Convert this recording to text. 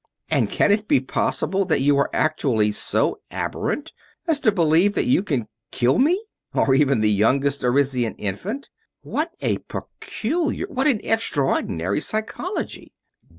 And can it be possible that you are actually so aberrant as to believe that you can kill me or even the youngest Arisian infant? What a peculiar what an extraordinary psychology!"